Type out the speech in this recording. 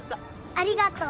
ありがとう。